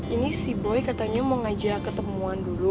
ini si boy katanya mau ngajak ketemuan dulu